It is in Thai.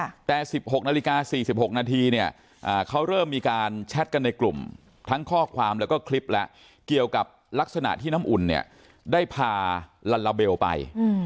แต่สิบหกนาฬิกาสี่สิบหกนาทีเนี่ยอ่าเขาเริ่มมีการแชทกันในกลุ่มทั้งข้อความแล้วก็คลิปแล้วเกี่ยวกับลักษณะที่น้ำอุ่นเนี่ยได้พาลัลลาเบลไปอืม